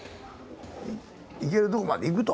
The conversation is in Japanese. いけるとこまでいくと。